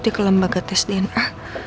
di ke lembaga tes dna